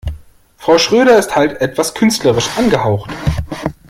Frau Schröder ist halt etwas künstlerisch angehaucht.